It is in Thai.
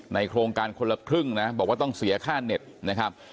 โครงการคนละครึ่งนะบอกว่าต้องเสียค่าเน็ตนะครับ